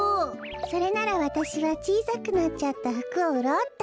それならわたしはちいさくなっちゃったふくをうろうっと。